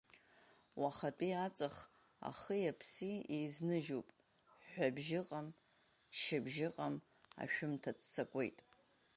Уахатәи аҵых ахи-аԥси еизныжьуп, ҳәҳәабжь ыҟам, ччабжь ыҟам, ашәымҭа ццакуеит.